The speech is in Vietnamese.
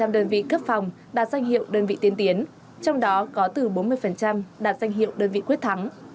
một mươi đơn vị cấp phòng đạt danh hiệu đơn vị tiên tiến trong đó có từ bốn mươi đạt danh hiệu đơn vị quyết thắng